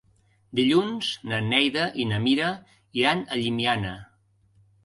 Dilluns na Neida i na Mira iran a Llimiana.